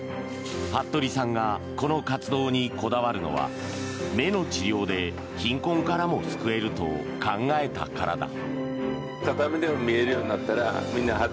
服部さんがこの活動にこだわるのは目の治療で貧困からも救えると考えたからだ。